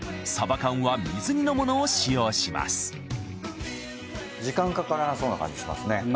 サバ缶は水煮のものを使用します時間かからなそうな感じしますね。